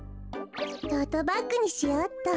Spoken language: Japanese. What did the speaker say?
トートバッグにしようっと。